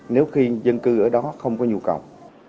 nếu khi dân cư ở đó không có nhu cầu